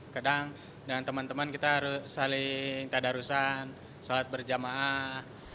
kadang dengan teman teman kita saling tada rusan shalat berjamaah